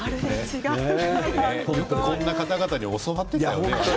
こんな方々に教わっていたねよくね。